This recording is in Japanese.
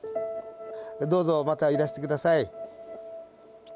どうぞまたいらしてください。